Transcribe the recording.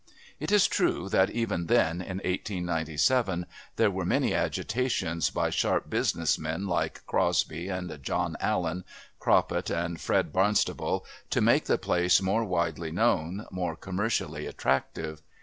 It is true that even then, in 1897, there were many agitations by sharp business men like Crosbie and John Allen, Croppet and Fred Barnstaple, to make the place more widely known, more commercially attractive.